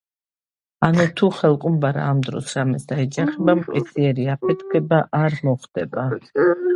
ანუ თუ ხელყუმბარა ამ დროს რამეს დაეჯახება მყისიერი აფეთქება არ მოხდება.